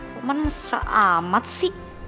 lu kan mesra amat sih